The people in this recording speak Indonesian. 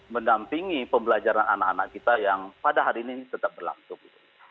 mendampingi pembelajaran anak anak kita yang pada hari ini tetap berlangsung